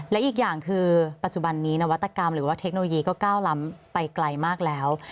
และอีกอย่างคือปัจจุบันนี้นวัตกรรมหรือว่าเทคโนโลยีก็ก้าวล้ำไปไกลมากแล้ว